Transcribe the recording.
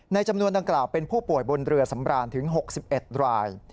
จำนวนดังกล่าวเป็นผู้ป่วยบนเรือสำราญถึง๖๑ราย